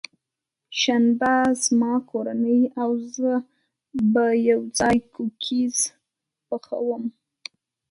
شنبه، زما کورنۍ او زه به یوځای کوکیز پخوم.